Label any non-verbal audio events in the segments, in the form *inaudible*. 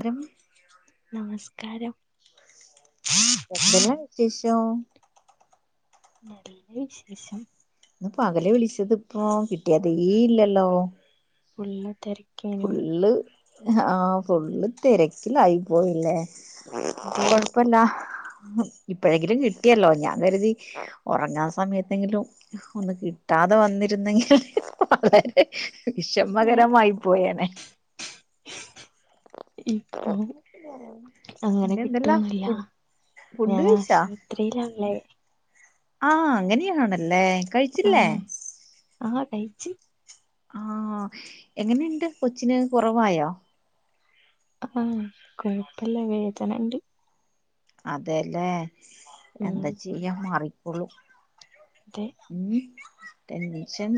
ത്രം. നിസ്കാരം. എന്തെല്ലാ വിശേഷോം നല്ല വിശേഷം ഇന്ന് പകല് വിളിച്ചത്പ്പോ കിട്ടിയാതേയില്ലല്ലോ ഫുള്ള്തെരക്കേനു ആഹ് ഫുള്ള് തിരക്കിലായിപോയല്ലേ അതെ കൊഴപ്പല്ല ഇപ്പോഴെങ്കിലും കിട്ടിയല്ലോ ഞാൻ കരുതി ഒറങ്ങാൻ സമയത്തെങ്കിലും ഒന്ന് കിട്ട ആതെ വന്നിരുന്നെങ്കിൽ വളരെ വിഷമകരമായി പോയെനെ. ഇപ്പൊ അങ്ങനെ പിന്നെ എന്തെല്ലാം കിട്ടോന്നുല്ല ഫുഡ് ഫുഡ് കഴിച്ചാ ഞാനാശുപത്രിയില ള്ളേ. ആഹ് അങ്ങനെയാണല്ലേ കഴിച്ചില്ലേ. ആഹ് ആഹ് കയിച്ച്. ആഹ് എങ്ങനിണ്ട് കൊച്ചിന് കുറവായോ. ആഹ് കൊഴപ്പല്ല വേദനണ്ട്. അതെ ലേ ഉം എന്താ ചെയ്യാ മാറിക്കൊളും. അതെ ഉം ടെൻഷൻ.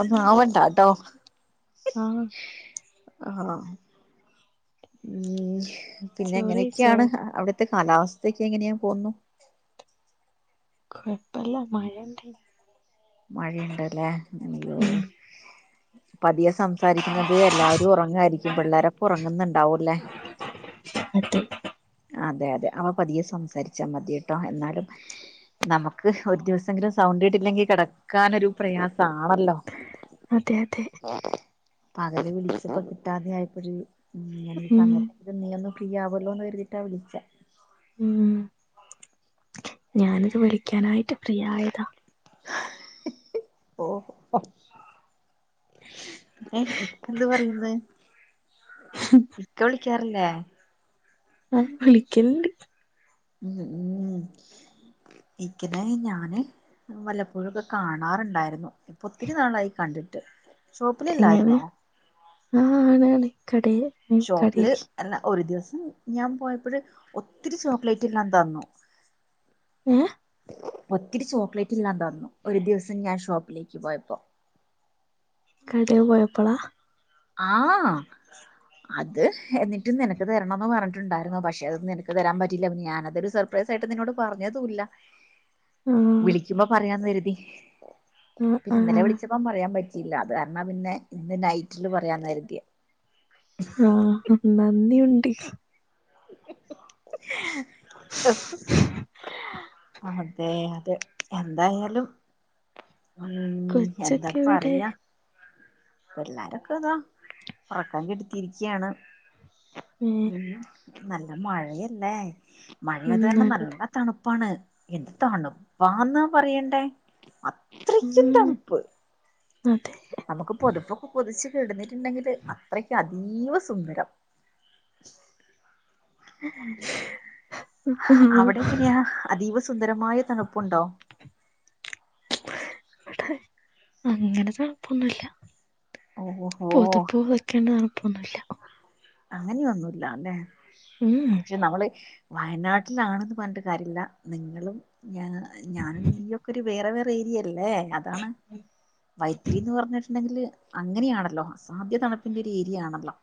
ഒന്നു ആവണ്ട ട്ടോ. ആഹ്. ആഹ് ആഹ്. ഉം ചോറെയ്ച്ചോ പിന്നെങ്ങനെക്ക്യാണ് അ അവിടത്തെ. കാലാവസ്ഥക്കെങ്ങനെയ പോന്നു. കൊഴപ്പല്ല മഴണ്ടയ്. മഴയിണ്ട് ലേ *unintelligible* യോ. ഉം പതിയെ സംസാരിക്കുന്നത് എല്ലാവാരും ഉറങ്ങായിരിക്കും പിള്ളാരൊക്കെ ഉറങ്ങുന്നുണ്ടാവൂല്ലേ. അതെ. അതെ അതെ അവ പതിയെ സംസാരിച്ചാൽ മതി കേട്ടോ എന്നാലും നമുക്ക് ഒരു ദിവസെങ്കിലും സൗണ്ട്. ഇട്ടില്ലെങ്കി കെടക്കാനൊരു പ്രയാസാണല്ലോ. അതെ അതെ പകല് വിളിച്ചപ്പോ കിട്ടാതെയായപ്പഴ് ഞാൻ ഈ ഉം സമയത്ത് നീ ഒന്ന്. ഫ്രീ ആവല്ലോന്ന് കരുതിട്ടാ വിളിച്ചേ. ഉം ഞാനിത് വിളിക്ക്യാനായിട്ട് ഫ്രീയായതാ. ഓഹോ. ന്നെ ഇക്കെന്ത് പറയുന്ന്. ഇക്ക വിളിക്ക്യാറില്ലേ. അ വിളിക്ക്യലിണ്ട്. ഉം ഉം. ഇക്കനെ ഞാന് വല്ലപ്പോഴൊക്കെ കാണാറുണ്ടായ്രുന്നു. ഇപ്പൊ ഒത്തിരി നാളായി കണ്ടിട്ട് എങ്ങനെ ഷോപ്പിലില്ലായ്ര്ന്നോ. ആഹ് ആണ് ആണ് കടേ ഉം കടേൽക്ക്. ഞാ പോയപ്പഴ് ഒത്തിരി ചോക്ലേറ്റ് എല്ലാം തന്നു. ഏഹ്. ഒത്തിരി ചോക്ലേറ്റെല്ലാം തന്നു ഒരു ദിവസം ഞാൻ ഷോപ്പിലേക്ക് പോയപ്പോ. കടേ പോയപ്പളാ. ആഹ്. അത് എന്നിട്ട് നിനക്ക് തരണംന്ന് പറഞ്ഞിട്ടുണ്ടായിരുന്നു പക്ഷെ അത് നിനക്ക് തരാൻ പറ്റില്ല ഞാനതരു സർപ്രൈസ് ആയി ട്ട് നിന്നോട് പർഞ്ഞതുല്ല. ആഹ് വിളിക്കുമ്പോ പറയാന്ന് കരുതി ആഹ് പിന്നെ ഇന്നലെ ആഹ് വിളിച്ചപ്പ പറയാൻ പറ്റി ഇല്ല അത് കാരണാ പിന്നെ ഇന്ന് നൈറ്റില് പറയാന്ന് കര്തിയെ ആ നന്നിയുണ്ട്. അതെ അതെ എന്തായാലും ഉം എന്താ കൊച്ചൊക്കെ എവിടെ പറിയ? എല്ലാരൊക്കെ താ ഉറക്കാൻ കെടത്തിയിരിക്യാണ്. ഏഹ് നല്ല മഴയല്ലേ മഴയായത് കരണം നല്ല തണു പ്പാണ്. എന്ത് തണുപ്പാന്നാ പറയണ്ടേ അത്രയ്ക്കും ഉം തണുപ്പ് അതെ നമുക്ക് പൊതുപ്പൊക്കെ പൊതിച്ചു കിടന്നിട്ടുണ്ടെങ്കില് അത്രയ്ക്ക് അതീവ സുന്ദരം *unintelligible* അവിടെങ്ങനെയാ അതീവ സുന്ദരമായ തണുപ്പുണ്ടോ? അങ്ങനെ തണുപ്പൊന്നുല്ല. ഓഹോ പൊതപ്പ് പൊതക്കേണ്ട തണപ്പൊന്നുല്ല. അങ്ങനെയൊന്നും ഇല്ല അല്ലേ ഉം പക്ഷെ നമ്മള് വയനാട്ടിലാണെന്ന് പറഞ്ഞിട്ട് കാര്യമില്ല നിങ്ങളും ഞ ഞാനും നീയൊക്കെ ഒരു വേറെ വേറെ ഏരിയല്ലേ അതാണ് വൈത്രിന്ന് പറഞ്ഞിട്ടുണ്ടെങ്കില് അങ്ങനെയാണല്ലോ അസാധ്യ തണുപ്പിന്റെ ഒരു ഏരിയയാണല്ലോ.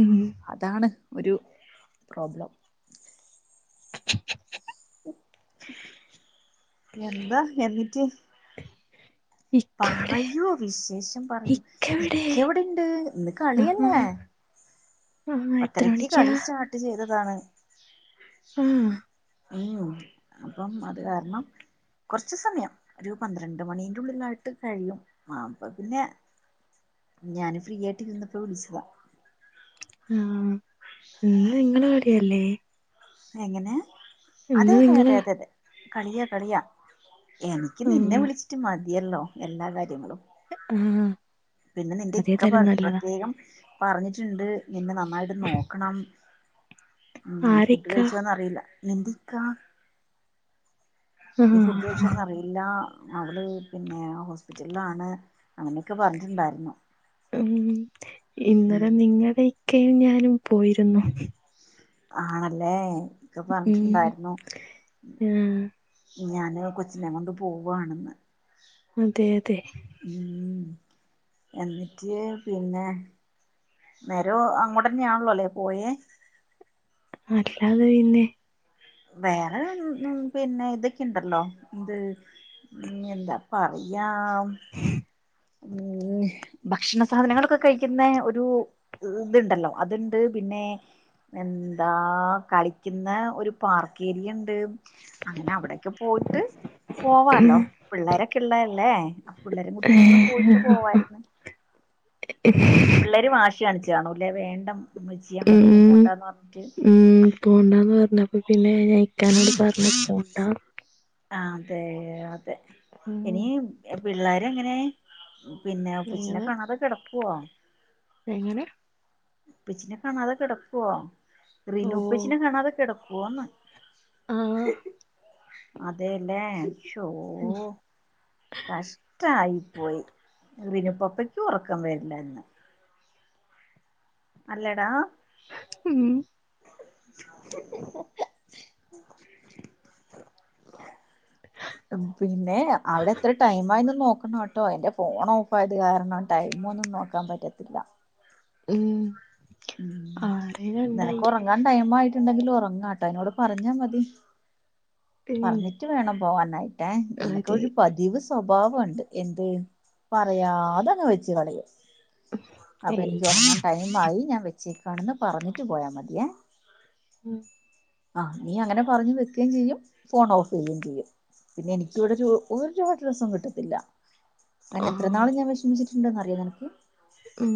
ഉം ഒരു പ്രോബ്ലം *unintelligible* എന്താ എന്നിറ്റ്? ഇക്കവിടെ പറയൂ വിശേഷം പറയൂ. ഇക്കവിടെ ഇക്ക എവിടെ ഇണ്ട്. ഇന്ന് ആഹ് കളിയല്ലേ? ആഹ് എത്ര പത്തരക്ക് മണിക്കാ കളി സ്റ്റാർട്ട് ചെയ്തതാണ് ആഹ അ്യോ അപ്പം അത് കാരണം കുറച്ചു സമയം ഒരു പന്ത്രണ്ട് മണീറ ഉള്ളിലായിട്ട് കഴിയും ആ അപ്പൊ പിന്നെ ഞാന് ഫ്രീ ആയിട്ട് ഇരുന്നപ്പോ വിളിച്ചതാ ആഹ എന്നന്ന് നിങ്ങള അടെയല്ലേ എങ്ങനെ അതെ അതെ അതെ അതെ അതെ കളിയാ കളിയ എനിക്ക് നിന്നെ ആഹ് വിളിച്ചിട്ട് മതിയല്ലോ എല്ലാ കാര്യങ്ങളും ആഹ് പിന്നെ നിന്റെ ഇക്ക അതേതായാലും നല്ലതാ പ്രത്യേകം പറഞ്ഞിട്ടുണ്ട് നിന്നെ നന്നായിട്ട് നോക്കണം ഉ ഫുഡ് ആരിക്ക കഴിച്ചോന്ന അറിയില്ല എന്ക്കാ ന ആഹ് ഫുഡ് വെച്ചന്ന അറിയില്ല അവള് പിന്നെ ഹോസ്പിറ്റലിലാണ് അങ്ങനെയൊക്കെ പറഞ്ഞിട്ടുണ്ടായിരുന്നു ഉം ഇന്നലെ ഉം നിങ്ങളുടെ ഇക്കയും ഞാനും പോയിരുന്നു ആണല്ലേ ഇക്കെ ഉം പറഞ്ഞിട്ടുണ്ടായിരുന്നു ആഹ് ഞാന് കൊച്ചിനെ കൊണ്ട് പോവവാണെന്ന് അതെ അതെ ഉം എന്നിട്ട് പിന്നെ നേര അങ്ങോട്ടന്നെയാണല്ലോല്ലേ പോയേ അല്ലാതെ പിന്നെ വേറെ ഉ പിന്നെ ഇതൊക്കെുണ്ടല്ലോ ഇത് ഉ എന്താ പറയാ ഉ ഉ ഭക്ഷണ സാധനങ്ങളൊക്കെ കഴിക്കുന്ന ഒരു ഇതുണ്ടല്ലോ അതുണ്ട് പിന്നെ എന്താ കളിക്കുന്ന ഒരു പാർക്ക് ഏരിയ ഉണ്ട് അങ്ങനെ അവിടെക്കെ പോയിട്ട്? പോവാാലോ, പിള്ളേരൊക്കെ ഉള്ളരല്ലേ? പിള്ളേരും കൂട്ടീട്ടൊന്ന് പോയിട്ട് പോവായിരുന്നു. പിള്ളേരും വാശി കാണിച്ചു കാണൂല്ലേ? വേണ്ട ഉമ്മച്ചി ഉം അങ്ങോട്ടൊന്നും പോണ്ടാന്ന് പറഞ്ഞിട്ട് ഉം പോണ്ടന്ന് പറഞ്ഞപ്പ പിന്നെ ഞിക്കാനോട് പറ പി പോോണ്ട. ആ അതെ അതെ ഉം ഇനി പിള്ളോര എങ്ങനെ? പിന്നെ ഉപ്പിച്ചിിനെ അങ്ങനെ കാണാതെ കിടക്കുവോ? എങ്ങനെ? ഉപ്പിച്ചിനെ കാണാതെ കിടക്കുവോ? റീന ഓ ഉപ്പിച്ചിനെ കാണാതെ കിടക്കുവോന്ന്. ആഹ്! അതെല്ലേോ ഉം, കഷ്ടായി പോയി പവിനുപ്പപ്പക്കും ഉറക്കൻ വരില്ല എന്ന്. അല്ലടാ? ഉം പിന്നെ അവിടെ എത്ര ടൈം ആയി നോക്കണം കേട്ടോ? എന്റെ ഫോൺ ഓഫ് ആയത് കാരണം ടൈമ ഒന്നും നോക്കാൻ പറ്റത്തില്ല. ഉം, ഉ ആരേം നിനക്ക് കണ്ടായില്ലേ ഉറങ്ങാൻ ടൈം ആയി ണ്ടെങ്കിൽ ഉറങ്ങ കേട്ടോ, അതിനോട് പറഞ്ഞാ മതി. ഏയ് പറഞ്ഞിട്ട് വേണം പോവാനായിട്ടേ, നിനക്ക് അതെ ഒരു പതിവ്സ് സ്വഭാവുണ്ട് എന്ത്? പറയാതങ്ങ് വെച്ചു കളയാ. അപ്പൊ ഏയ് എനിക്ക് ഉറങ്ങാൻ ടൈം ആയി, ഞാൻ വെച്ചേക്കാണെന്ന് പറഞ്ഞിട്ട് പോയാ മതിയേ? ഉം. ആഹ് നീ അങ്ങനെ പറഞ്ഞു വെക്കയും ചെയ്യും. ഫോൺ ഓഫ് ചെയ്യുകയും ചെയ്യും പിന്നെ എനിക്കിവിടെ ഒരു ഒരു അഡ്രസ്സും കിട്ടത്തില്ല. അങ്ങനെ എത്ര ആഹ് നാളും ഞാൻ വിഷമിച്ചിട്ടുണ്ടന്ന് അറിയോ നിനക്ക്? ഉം.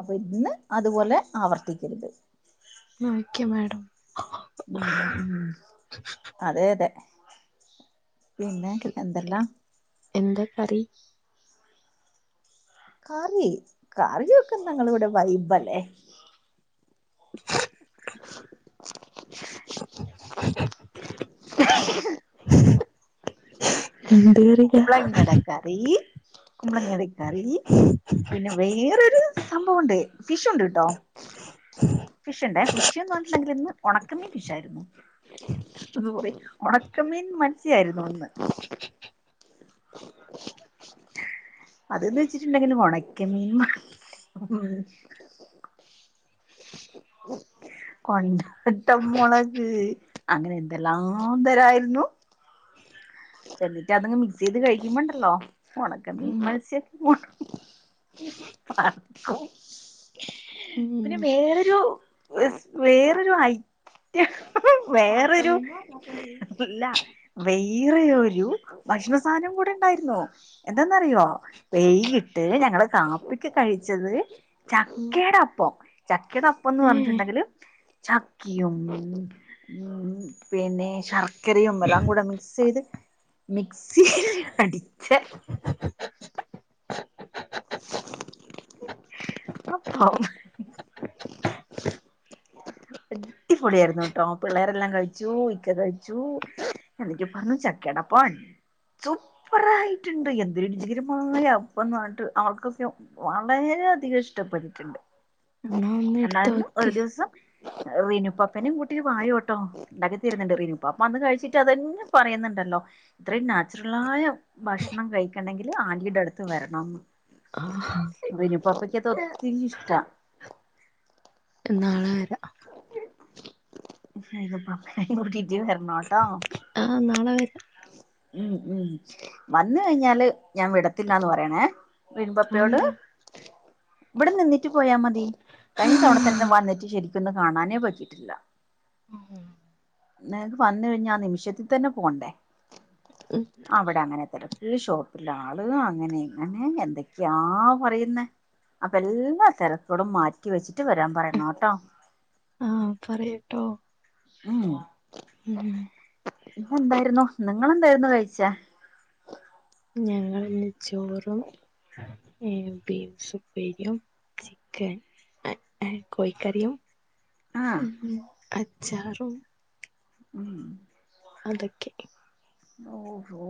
അപ്പൊ ഇന്ന് അതുപോലെ ആവർത്തിക്കരുത്. Okay madam. ഉം ഉം അതേ അതെ. പിന്നെ എന്തല്ലാം? എന്താ കറി? കാറി കാറി ഒക്കെ ങ്ങള ഇവിടെ വൈബല്ലേ. ഉം. കുബ്ലങ്ങേടെക്കറി, കുബ്ലങ്ങേടെക്കറി. പിന്നെ വേറൊരു സംഭവുണ്ട്, ഫിഷ് ഉണ്ട്ട്ടോ. ഫിഷ് ഉണ്ടേ ഫിഷ് എന്ന് പറഞ്ഞുട്ടെങ്കിൽ ഇന്ന്. ഉണക്കമീൻ ഫിഷായിരുന്നു, അത്പോയി ഉണക്കമീൻ മത്സ്യായിരുന്നു ഇന്ന്. അതന്ന് വെച്ചിട്ടുണ്ടെങ്കിൽ ഒണക്ക മീൻ. *unintelligible* കൊണ്ടാട്ടം മുളക്, അങ്ങനെ എന്തെല്ലാം തരായിരുന്നു. എന്നിട്ട് അതങ്ങ് മിക്സ് ചെയ്ത് കഴിക്കുമ്പോണ്ടല്ലോ ഉണക്ക മീൻ ഉം മത്സ്യസൊക്ക ഉണക്കമീൻ. *unintelligible* ഉം പിന്നെ വേറൊരു വേറൊരു ആയി വേറൊരു ഇല്ല വേ ഈറെ ഒരു ഭക്ഷണ സാനം കുടെ ഉണ്ടായിരുന്നോ എന്താന്നറിയോ വെയ്കീട്ട് ഞാ ഞങ്ങള് കാപ്പിക്ക് കഴിച്ചത് ഉം. ചക്കയ്ടെ അപ്പം ചക്കയുടെ അപ്പം ന്ന് ഏ പറഞ്ഞിട്ടുണ്ടെങ്കില് ചക്കിയും ഉം പിന്നെ ശർക്കരയും എല്ലാം കൂടെ മി ചെയ്ത് മിക്സി അടിച്ച *unintelligible* ടി പൊളിയാരുന്നു ട്ടോ പിള്ളേരെല്ലാം കഴിച്ചു, ഇക്ക കഴിച്ചു *unintelligible* പറഞ്ഞു ചക്കെടപ്പം സൂപ്പർ ആയിട്ടുണ്ട് എന്തെരുരുചികരമായ അപ്പംന്നറ്ഞ്ഞ്ട്ട് ആൾക്കൊക്കെ വളരെ അധികം ഇഷ്ടപ്പെട്ടിട്ട്ണ്ട് *unintelligible* എന്നായിരുന്നു ഒരു വെക്ക് ദിവസം റിനുപപ്പെനേം കൂട്ടി വായൊട്ടോ ണ്ടാക്കിത്തരുന്നുണ്ട് റിനുപാപ്പാ അന്ന് കഴിച്ചിട്ട് അതന്നെ പറയുന്നുണ്ടല്ലോ ഇത്രയും നാച്ചുറലായ ഭക്ഷണം കഴിക്കണ്ടെങ്കില് ആൻ്റിയുടെ അടുത്ത് വരണം ആ റിനുപ്പാപ്പക്ക് അത് ഒത്തിരി ഇഷ്ടാ നാളെ വരാ റിനുപാപ്പെനേം കൂട്ടി *unintelligible* വര്ണോട്ടോ ആ നാളെ വരാ ഉം ഉം വന്ന് കഴിഞ്ഞാല് ഞാൻ വിടത്തില്ലാന്ന് പറയണേ വീൻപപ്പയോട് അതെന്താ ഇവടെ നിന്നിട്ട് പോയാ മ കഴിഞ്ഞ തവണ തന്നെ വന്നിട്ട് ശരിക്കൊന്നും കാണാനേ പറ്റിട്ടില്ല *unintelligible* നിനക്ക് വന്ന് കഴിഞ്ഞാ ആ നിമിഷത്തിൽ തന്നെ പോണ്ടേ ഉം അവിടെ അങ്ങനെ തര ഈ ഷോപ്പിലാള് അങ്ങനെ ഇങ്ങനെ എന്തൊക്കെയാ പറയുന്ന അപ്പെല്ലാ തെരക്കടും മാറ്റി വെച്ചിട്ട് വരാൻ പറയണംട്ടോ ആഹ് പറയട്ടോ *unintelligible* ഉം എന്തായിരുന്നു നിങ്ങളെന്തായിരുന്നു കഴിച്ച ഞങ്ങളന്ന് ചോറും ഏ ബീൻസ് ഉപ്പേരിയും ചിക്കൻ എ ഏ കോഴിക്കറിയും ആഹ് ഉം അച്ചാറും ഉം അതക്കെ ഓ ഓ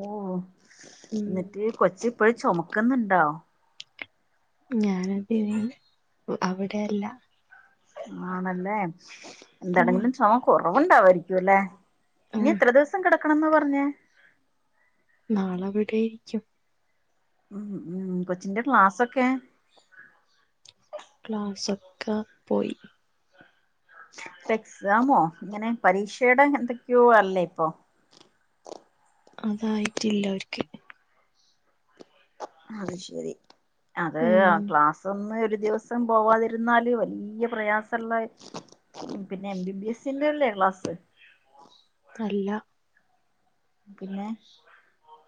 ഉം എന്നിട്ട് കൊച്ച് ഇപ്പഴും ചൊമക്ക് ന്ന്ണ്ടോ ഞാനതിന് അവിടെയല്ല ആണല്ലേ ഉം എന്താണെങ്കിലും ചൊമക്കോ *unintelligible* വുണ്ടാവായിരിക്കും ല്ലേ ആ ഇനി എത്ര ദിവസം കിടക്കണംന്ന പറഞ്ഞേ നാളെവിടെയിരിക്കും ഉം ഉം കൊച്ചിന്റെ ക്ലാസൊക്കെ ക്ലാസൊക്ക പോയി എക്സാമോ ഇങ്ങനെ പരീക്ഷയുടെ എന്തൊക്കെയോ അല്ലേ ഇപ്പൊ അതായിട്ടില്ല അവർക്ക് അത് ശരി അത് ഉം ക്ലാസ്സ് ഒന്ന് ഒരു ദിവസം പോവാതിരുന്നാല് വല്ല്യ പ്രയാസള്ള പിന്നെ എം ബി ബി എസിന്റല്ലേ ക്ലാസ്സ് അല്ല പിന്നെ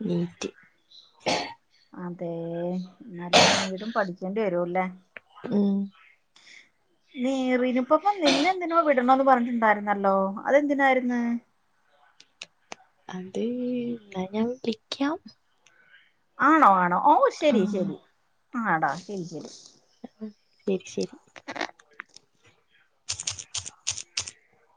നീറ്റ് ഏ അതേ എന്നാലും മുഴുവനും പഠിക്കേണ്ടി വരുല്ലേ. ഉം. നീറിനിപ്പപ്പ നിന്നെന്തിനോ വിടണോന്ന് പറഞ്ഞിട്ടുണ്ടായിരുന്നല്ലോ അതെന്തിനായിര്ന്ന്. അത് എന്നാ ഞാൻ വിളിക്കാം. ആണോ ആണോ ഓ ശരി ആഹ് ശരി ആടാ ശരി ശരി. ആ ശരി ശരി. *inaudible*